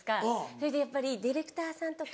それでやっぱりディレクターさんとか。